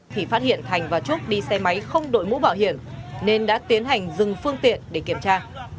thì phát hiện thành và trúc đi xe máy không đội mũ bảo hiểm nên đã tiến hành dừng phương tiện để kiểm tra